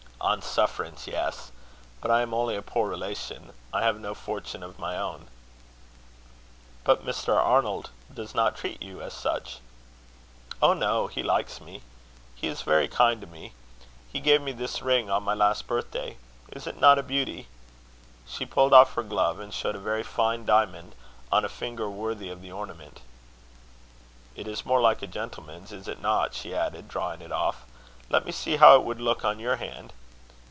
"On sufferance, yes. But I am only a poor relation. I have no fortune of my own." "But Mr. Arnold does not treat you as such." "Oh! no. He likes me. He is very kind to me. He gave me this ring on my last birthday. Is it not a beauty?" She pulled off her glove and showed a very fine diamond on a finger worthy of the ornament. "It is more like a gentleman's, is it not?" she added, drawing it off. "Let me see how it would look on your hand."